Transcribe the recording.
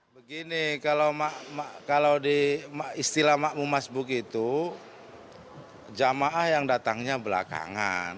begini kalau di istilah makmu mas buk itu jamaah yang datangnya belakangan